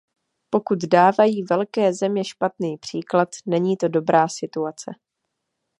Pokud dávají velké země špatný příklad, není to dobrá situace.